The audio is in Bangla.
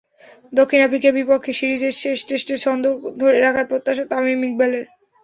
দক্ষিণ আফ্রিকার বিপক্ষে সিরিজের শেষ টেস্টে ছন্দ ধরে রাখার প্রত্যাশা তামিম ইকবালের।